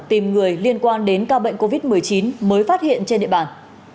tìm người liên quan đến ca bệnh covid một mươi chín mới phát hiện trên địa bàn